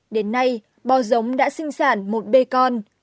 đến nay bò giống đã sinh sản một bê con